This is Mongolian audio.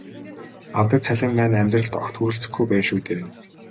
Авдаг цалин маань амьдралд огт хүрэлцэхгүй байна шүү дээ.